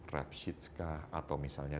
rap sheets kah atau misalnya